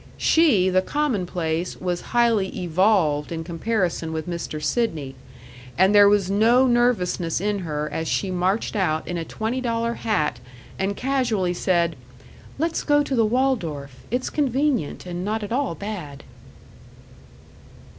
She, the commonplace, was highly evolved in comparison with Mr. Sidney, and there was no nervousness in her as she marched out in a twenty dollar hat and casually said, "Let's go to the Waldorf it's convenient and not at all bad."